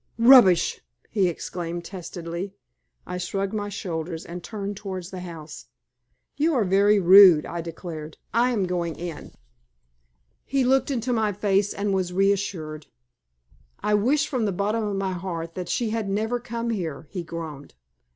"Rubbish!" he exclaimed, testily. I shrugged my shoulders and turned towards the house. "You are very rude," I declared. "I am going in." He looked into my face and was reassured. "I wish from the bottom of my heart that she had never come here," he groaned.